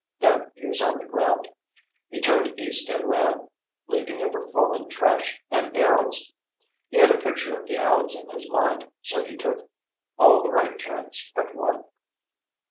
Then he was on the ground. He turned east and ran, leaping over fallen trash and barrels. He had a picture of the alleys in his mind, so he took all the right turns but one.